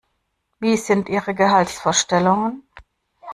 Wie sind Ihre Gehaltsvorstellungen?